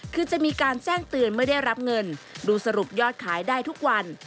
คือจะมีการแจ้งเตือนไม่ได้รับเงินดูสรุปยอดขายได้ทุกวัน